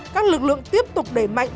các lực lượng tiếp tục đẩy mạnh